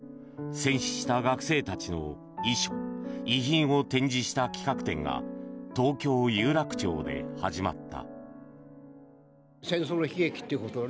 それから８０年がたったおととい戦死した学生たちの遺書・遺品を展示した企画展が東京・有楽町で始まった。